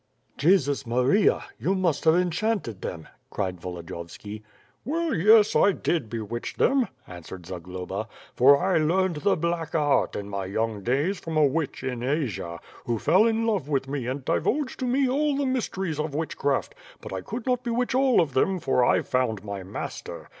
"Jesus Maria! You must have enchanted them," cried Volodiyovski? "Well, yes; I did bewitch them," answered Zagloba, "for I learned the black art in my young days from a witch in Asia, who fell in love with me and divulged to me all the mysteries of witchcraft; but I could not bewitch all of them for I found my master.